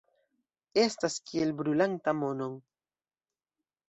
Estas kiel brulanta monon.